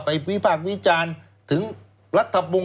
ไปวิภาควิจารณ์ถึงรัฐบุง